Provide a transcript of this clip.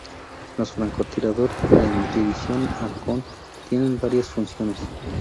Los francotiradores de la división Halcón tienen varias funciones.